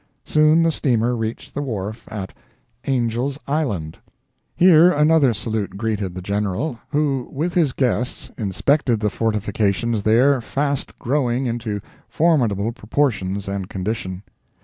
Soon the steamer reached the wharf at ANGELS' ISLAND.—Here another salute greeted the General, who, with his guests, inspected the fortifications there fast growing into formidable proportions and condition.